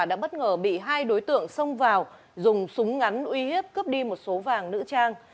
đã bất ngờ bị hai đối tượng xông vào dùng súng ngắn uy hiếp cướp đi một số vàng nữ trang